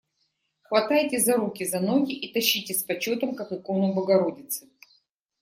Хватайте за руки, за ноги и тащите с почетом, как икону богородицы.